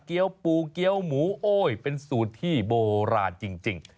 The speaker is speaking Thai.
ปูเกี้ยวหมูโอ้ยเป็นสูตรที่โบราณจริง